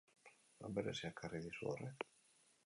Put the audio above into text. Lan berezia ekarri dizu horrek?